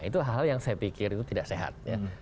itu hal hal yang saya pikir itu tidak sehat ya